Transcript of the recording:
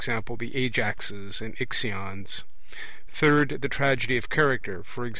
the Ajaxes and Ixions; third, the Tragedy of character, e.g.